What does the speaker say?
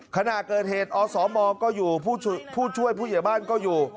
ขณะเกิดเหตุอสมก็อยู่ผู้ช่วยผู้ใหญ่บ้านก็อยู่